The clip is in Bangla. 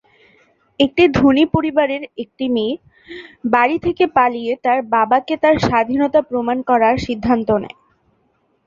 একটি ধনী পরিবারের একটি মেয়ে বাড়ি থেকে পালিয়ে তার বাবাকে তার স্বাধীনতা প্রমাণ করার সিদ্ধান্ত নেয়।